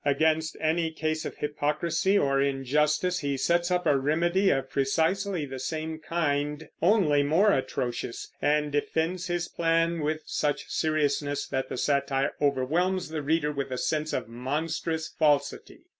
Against any case of hypocrisy or injustice he sets up a remedy of precisely the same kind, only more atrocious, and defends his plan with such seriousness that the satire overwhelms the reader with a sense of monstrous falsity.